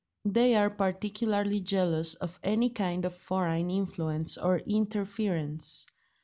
They are particularly jealous of any kind of foreign influence or interference.